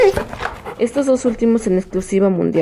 Estos dos últimos en exclusiva mundial.